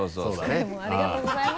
机もありがとうございます。